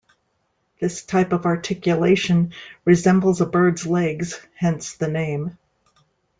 This type of articulation resembles a bird's legs, hence the name.